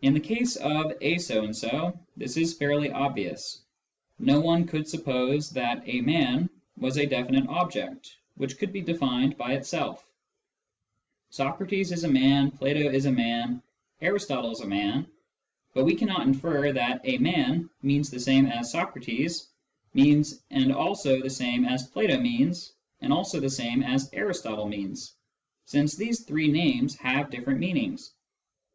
In the case of " a so and so," this is fairly obvious : no one could suppose that " a man " was a definite object, which could be defined by itself. Descriptions 173 Socrates is a man, Plato is a man, Aristotle is a man, but we cannot infer' that " a man " means the same as " Socrates " means and also the same as " Plato " means and also the same as " Aristotle " means, since these three names have different meanings.